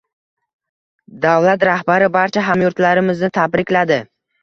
Davlat rahbari barcha hamyurtlarimizni tabrikladi.